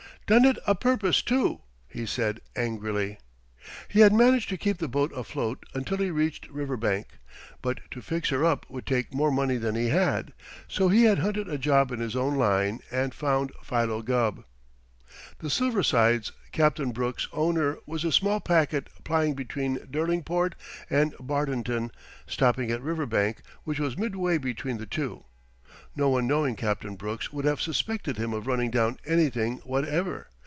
"Done it a purpose, too," he said angrily. He had managed to keep the boat afloat until he reached Riverbank, but to fix her up would take more money than he had. So he had hunted a job in his own line, and found Philo Gubb. The Silver Sides, Captain Brooks, owner, was a small packet plying between Derlingport and Bardenton, stopping at Riverbank, which was midway between the two. No one knowing Captain Brooks would have suspected him of running down anything whatever.